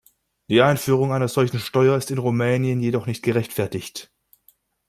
Die Einführung einer solchen Steuer ist in Rumänien jedoch nicht gerechtfertigt.